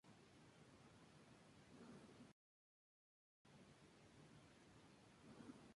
El lema del festival es: "En contra violencia e intolerancia".